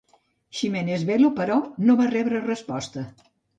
Ximenes Belo, però, no va rebre resposta.